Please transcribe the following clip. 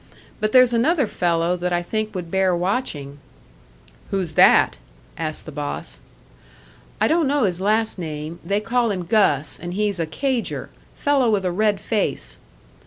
But there's another fellow that I think would bear watching." "Who's that?" asked the boss. "I don't know his last name. They call him Gus and he's a 'cager.' Fellow with a red face."